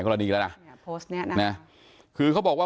ผมมีโพสต์นึงครับว่า